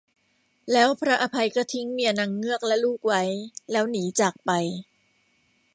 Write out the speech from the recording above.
แล้วพระอภัยก็ทิ้งเมียนางเงือกและลูกไว้ แล้วหนีจากไป